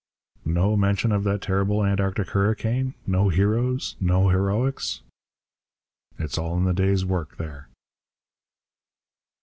No mention of that terrible Antarctic hurricane? No 'heroes'? No heroics? It's all in the day's work there.